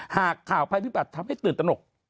หากข่าวภัยพิบัติทำให้ตื่นตนก